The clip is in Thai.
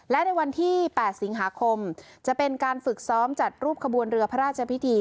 และในวันที่๘สิงหาคมจะเป็นการฝึกซ้อมจัดรูปขบวนเรือพระราชพิธี